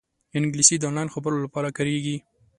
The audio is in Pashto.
انګلیسي د آنلاین خبرو لپاره کارېږي